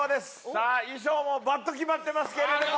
さあ、衣装もばっと決まってますけれども。